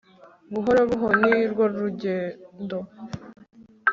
buhoro buhoro ni rwo rugendo